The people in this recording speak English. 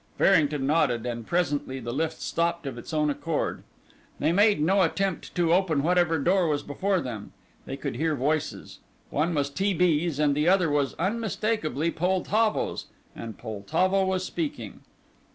Farrington nodded, and presently the lift stopped of its own accord. They made no attempt to open whatever door was before them. They could hear voices: one was T. B.'s, and the other was unmistakably Poltavo's, and Poltavo was speaking.